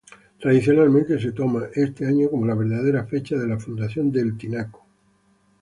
Tradicionalmente se toma este año como la verdadera fecha de fundación de El Tinaco.